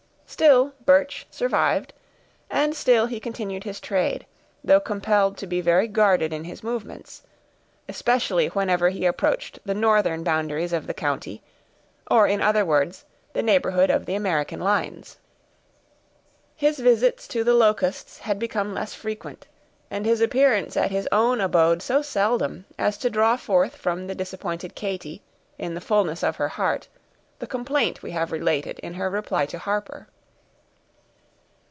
Still Birch survived, and still he continued his trade, though compelled to be very guarded in his movements, especially whenever he approached the northern boundaries of the county; or in other words, the neighborhood of the American lines. His visits to the Locusts had become less frequent, and his appearance at his own abode so seldom, as to draw forth from the disappointed Katy, in the fullness of her heart, the complaint we have related, in her reply to Harper.